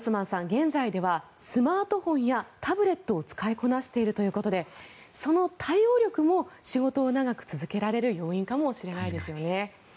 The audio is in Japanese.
現在ではスマートフォンやタブレットを使いこなしているということでその対応力も仕事を長く続けられる要因かもしれないですよね。